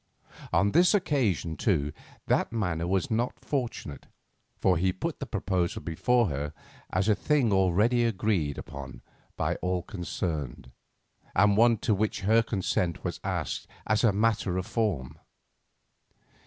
On this occasion, too, that manner was not fortunate, for he put the proposal before her as a thing already agreed upon by all concerned, and one to which her consent was asked as a mere matter of form.